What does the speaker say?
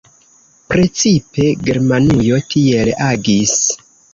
Precipe Germanujo tiel agis.